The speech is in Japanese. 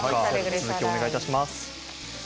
続きをお願いします。